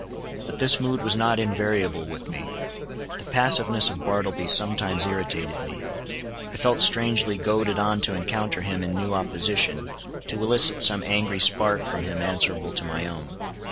But this mood was not invariable with me. The passiveness of Bartleby sometimes irritated me. I felt strangely goaded on to encounter him in new opposition, to elicit some angry spark from him answerable to my own.